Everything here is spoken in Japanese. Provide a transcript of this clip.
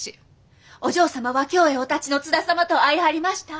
お嬢様は京へお発ちの津田様と会いはりました。